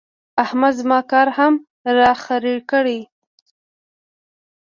احمد زما کار هم را خرېړی کړ.